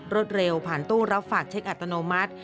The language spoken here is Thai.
รวดเร็วผ่านตู้แล้วฝากเช็กอัตโนมัติ